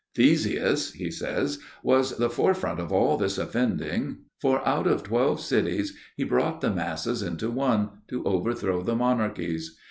Theseus," he says, "was the forefront of all this offending, for out of twelve cities, he brought the masses into one, to overthrow the monarchies.